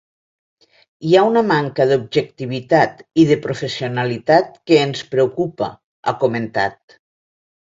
Hi ha una manca d’objectivitat i de professionalitat que ens preocupa, ha comentat.